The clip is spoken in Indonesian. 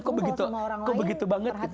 kok begitu banget